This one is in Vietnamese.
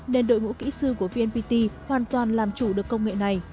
nên đội ngũ kỹ sư của vnpt hoàn toàn làm chủ được công nghệ này